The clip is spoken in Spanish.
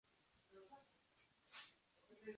El claustro se construyó en el siglo en estilo gótico.